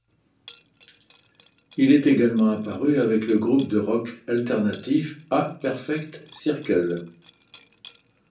Il est également aparu avec le groupe de rock alternatif A Perfect Circle.